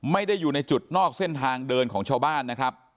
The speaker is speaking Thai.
ไม่ได้อยู่ในจุดนอกเส้นทางเดินของชาวบ้านนะครับ